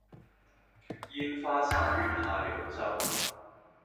煙花三月下揚州